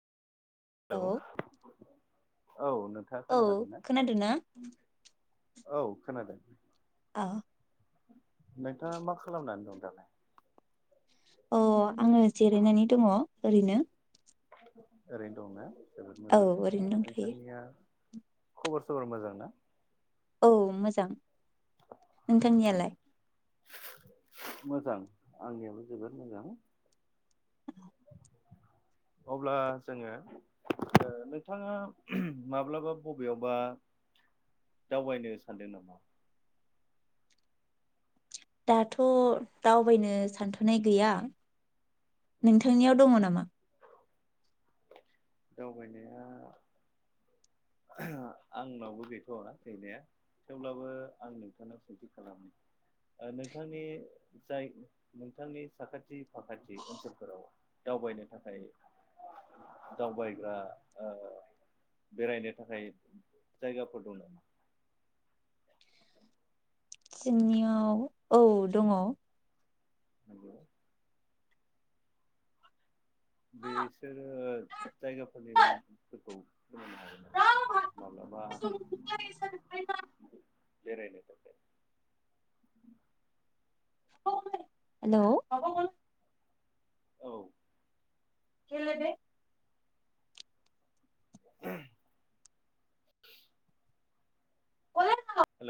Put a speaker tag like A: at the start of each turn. A: औ।
B: हेलौ
A: नोंथाङा
B: औ
A: खोनाहादों ना?
B: खोनादो ना?
A: औ खोनादों।
B: आ।
A: नोंथाङा मा खालामनानै दं दालाय?
B: अ। आङो जिरायनानै दङ' ओरैनो।
A: ओरैनो दं ना?
B: औ ओरैनो दंथ'यो।
A: खबर सबर मोजां ना?
B: औ मोजां। नोंथांनियालाय?
A: मोजां आंनियाबो जोबोद मोजां। अब्ला जोङो नोंथाङा माब्लाबा ओ बबेयावबा दावबायनो सानदों नामा?
B: दाथ' दावबायनो सानथ'नाय गैया।
A: उम
B: नोंथांनियाव दङ' नामा?
A: दावबायनाया आंनावबो गैथ'वा गैनाया थेवब्लाबो आं नोंथांनाव सोंथि खालामनि नोंथांनि जाय नोंथांनि साखाथि फाखाथि ओनसोलफोराव दावबायनो थाखाय दावबायग्रा बेरायनो ओ थाखाय जायगाफोर दं नामा?
B: जोंनियाव औ दङ'।
A: [unintelligible] बेसोरो जायगाफोरनि मुंफोरखौ बुंनो हागोन नामा? माब्लाबा बेरायनो थाखाय।
B: हेलौ
A: औ
B: [unintelligible]
A: [inaudible]
B: [unintelligible]